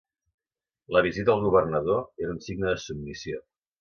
La visita el governador era un signe de submissió.